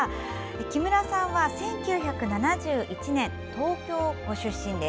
木村さんは１９７１年東京ご出身。